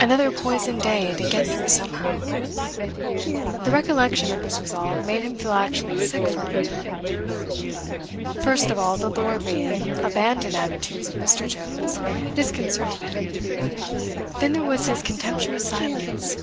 Another poisoned day to get through somehow! The recollection of his resolve made him feel actually sick for a moment. First of all the lordly, abandoned attitudes of Mr. Jones disconcerted him. Then there was his contemptuous silence.